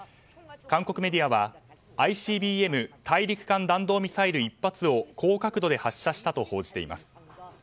韓国メディアはＩＣＢＭ・大陸間弾道ミサイル１発を高角度で発射したと報じています。